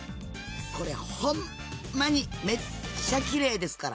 これほんまにめっちゃきれいですから。